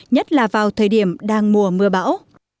nhất là vào thời điểm đang mùa mưa bão